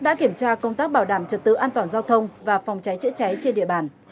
đã kiểm tra công tác bảo đảm trật tự an toàn giao thông và phòng cháy chữa cháy trên địa bàn